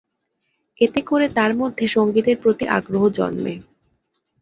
এতে করে তার মধ্যে সঙ্গীতের প্রতি আগ্রহ জন্মে।